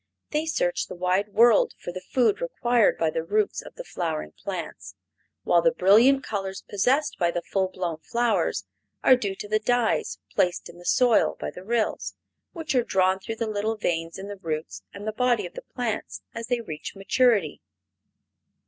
They search the wide world for the food required by the roots of the flowering plants, while the brilliant colors possessed by the full blown flowers are due to the dyes placed in the soil by the Ryls, which are drawn through the little veins in the roots and the body of the plants, as they reach maturity.